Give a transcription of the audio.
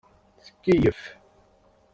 Tkeyyef.